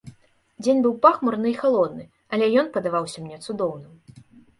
Дзень быў пахмурны і халодны, але ён падаваўся мне цудоўным.